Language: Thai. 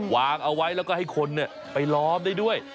วางเอาไว้แล้วก็ให้คนไปล้อมได้ด้วย